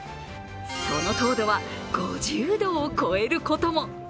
その糖度は５０度を超えることも。